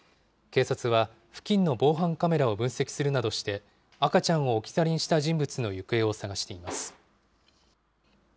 警察は付近の防犯カメラを分析するなどして、赤ちゃんを置き去りにした人物の行方を捜しています。